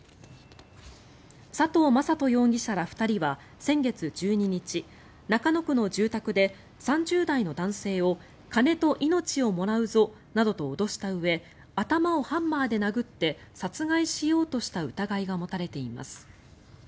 佐藤政人容疑者ら２人は先月１２日中野区の住宅で３０代の男性を金と命をもらうぞなどと脅したうえ頭をハンマーで殴って殺害しようとした疑いが持たれています。